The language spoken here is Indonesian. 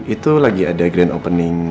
itu lagi ada grand opening